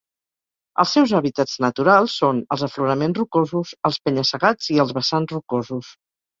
Els seus hàbitats naturals són els afloraments rocosos, els penya-segats i els vessants rocosos.